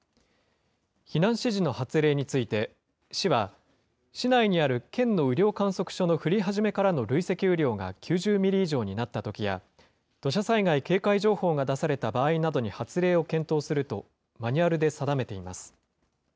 避難指示の発令について、市は市内にある県の雨量観測所の降り始めからの累積雨量が９０ミリ以上になったときや、土砂災害警戒情報が出された場合などに発令を検討すると、マニュアルで定めています。